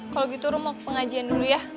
kalau gitu rum mau ke pengajian dulu ya